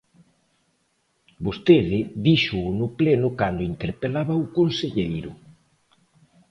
Vostede díxoo no pleno cando interpelaba o conselleiro.